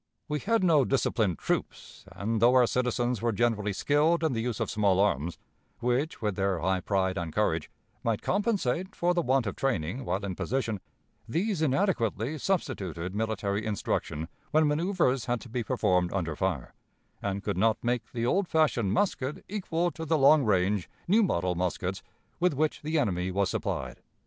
We had no disciplined troops, and, though our citizens were generally skilled in the use of small arms, which, with their high pride and courage, might compensate for the want of training while in position, these inadequately substituted military instruction when manoeuvres had to be performed under fire, and could not make the old fashioned musket equal to the long range, new model muskets with which the enemy was supplied.